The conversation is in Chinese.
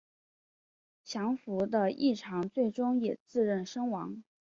降伏的义长最终也自刃身亡。